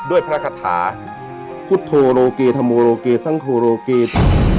ด้วยพระคศถาพุทธโรเกดธรรมโลเกดสังฆัโรเกด